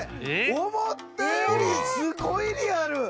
思ったよりすごいリアル！